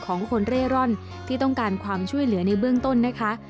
ของคนเร่ร่อนที่ต้องการความช่วยเหลือในเบื้องต้นนะคะ